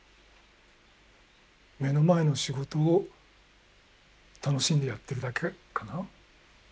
目の前の仕事を楽しんでやってるだけかな。